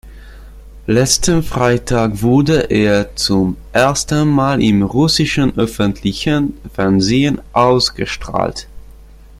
Letzten Freitag wurde er zum ersten Mal im russischen öffentlichen Fernsehen ausgestrahlt.